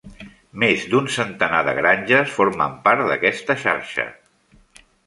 Més d'un centenar de granges formen part d'aquesta xarxa.